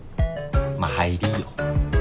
まあ入りぃよ。